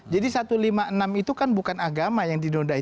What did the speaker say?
jadi satu ratus lima puluh enam itu kan bukan agama yang dinoda itu